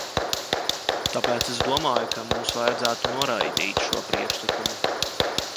Tāpēc es domāju, ka mums vajadzētu noraidīt šo priekšlikumu.